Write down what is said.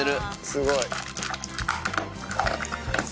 すごい。